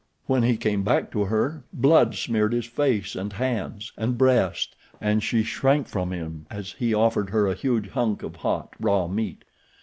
When he came back to her blood smeared his face and hands and breast and she shrank from him as he offered her a huge hunk of hot, raw meat.